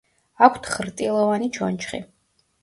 აქვთ ხრტილოვანი ჩონჩხი.